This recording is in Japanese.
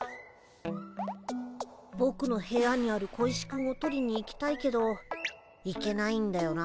ぼくの部屋にある小石くんを取りに行きたいけど行けないんだよな。